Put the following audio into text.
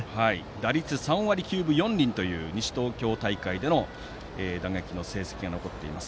打率３割９分４厘という西東京大会での打撃の成績が残っています。